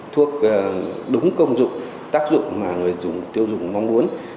thuốc đúng công dụng tác dụng mà người dùng tiêu dùng mong muốn